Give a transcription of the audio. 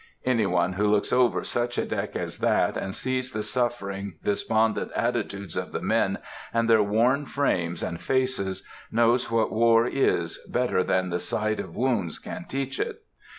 Any one who looks over such a deck as that, and sees the suffering, despondent attitudes of the men, and their worn frames and faces, knows what war is better than the sight of wounds can teach it.